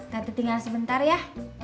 tante tinggal sebentar ya